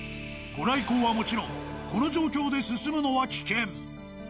御来光はもちろん、この状況で進むのは危険。